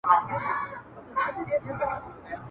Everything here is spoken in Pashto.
یوه ورځ به ته هم وینې د سرو میو ډک خمونه ,